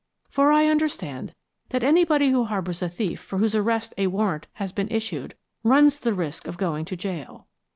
For I understand that anybody who harbors a thief for whose arrest a warrant has been issued, runs the risk of going to gaol.